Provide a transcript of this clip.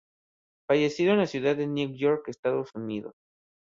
Fallecido en la ciudad de Nueva York, Estados Unidos.